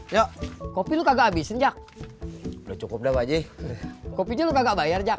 yuk kopi lu kagak habisin jak cukup dah pak haji kopinya lu kagak bayar jak